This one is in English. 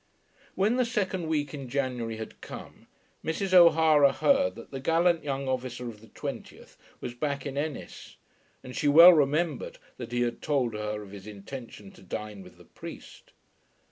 When the second week in January had come Mrs. O'Hara heard that the gallant young officer of the 20th was back in Ennis, and she well remembered that he had told her of his intention to dine with the priest.